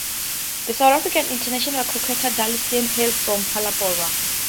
The South African international cricketer Dale Steyn hails from Phalaborwa.